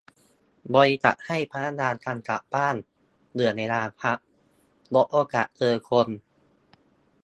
- บริษัทให้พนักงานทำจากบ้าน เหลื่อมเวลาพัก ลดโอกาสเจอคน